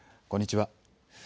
こんにちは。